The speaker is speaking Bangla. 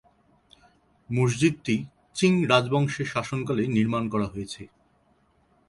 মসজিদটি চিং রাজবংশের শাসনকালে নির্মাণ করা হয়েছে।